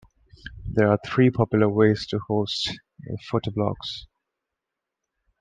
There are three popular ways to host a photoblogs.